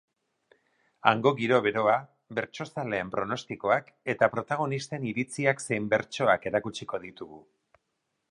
Hango giro beroa, bertsozaleen pronostikoak eta protagonisten iritziak zein bertsoak erakutsiko ditugu.